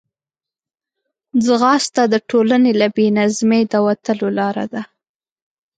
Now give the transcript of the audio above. ځغاسته د ټولنې له بې نظمۍ د وتلو لار ده